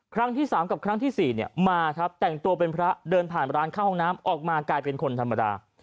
ครั้งที่๓กับครั้งที่๔เนี่ยมาครับแต่งตัวเป็นพระเดินผ่านร้านเข้าห้องน้ำออกมากลายเป็นคนธรรมดา